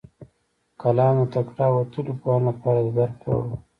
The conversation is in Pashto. کلام د تکړه او وتلیو پوهانو لپاره د درک وړ و.